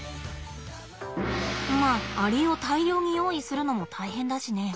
まあアリを大量に用意するのも大変だしね。